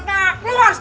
tenang tenang pak